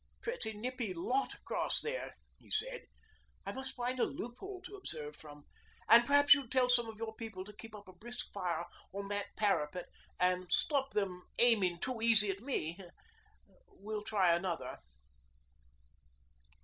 'Pretty nippy lot across there!' he said. 'I must find a loophole to observe from. And p'r'aps you'd tell some of your people to keep up a brisk fire on that parapet to stop 'em aiming too easy at me. Now we'll try another.'